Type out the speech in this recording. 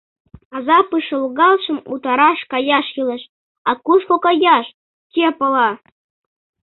Азапыш логалшым утараш каяш кӱлеш, а кушко каяш — кӧ пала?